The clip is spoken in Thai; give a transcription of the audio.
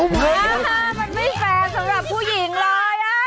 มันไม่แฟนสำหรับผู้หญิงเลย